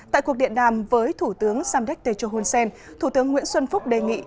tại cuộc điện đàm với thủ tướng samdek techo hun sen thủ tướng nguyễn xuân phúc đề nghị